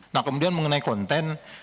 nah kemudian mengenai konten